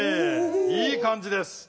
いい感じです。